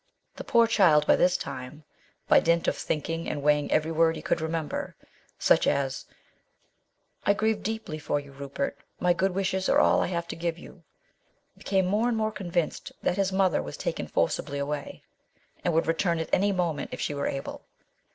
The poor child by this time, by dint of thinking and weighing every word he could remember, such as " I grieve deeply for you, Rupert : my good wishes are all I have to give you," became more and more convinced that his mother was taken forcibly away, and would return at any moment if she were able.